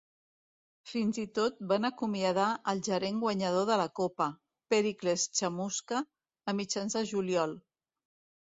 Fins i tot van acomiadar al gerent guanyador de la copa, Péricles Chamusca, a mitjans de juliol.